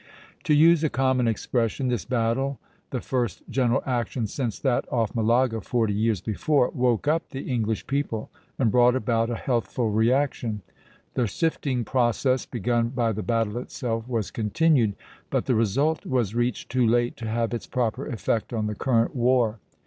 To use a common expression, this battle, the first general action since that off Malaga forty years before, "woke up" the English people and brought about a healthful reaction. The sifting process begun by the battle itself was continued, but the result was reached too late to have its proper effect on the current war.